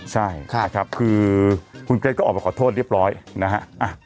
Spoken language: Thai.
ใช่นะครับคือคุณเกรทก็ออกมาขอโทษเรียบร้อยนะฮะ